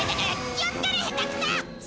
気をつけろ下手くそ！